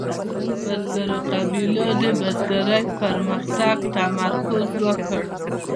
بزګرو قبیلو د بزګرۍ په پرمختګ تمرکز وکړ.